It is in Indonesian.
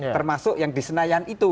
termasuk yang di senayan itu